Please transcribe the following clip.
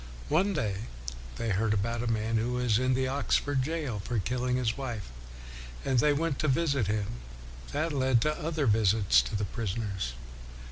One day they heard about a man who was in the Oxford jail for killing his wife, and they went to visit him. That led to other visits to the prisoners.